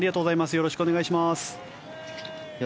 よろしくお願いします。